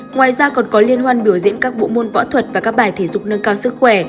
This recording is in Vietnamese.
ngoài ra còn có liên hoan biểu diễn các bộ môn võ thuật và các bài thể dục nâng cao sức khỏe